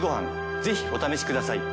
ぜひお試しください。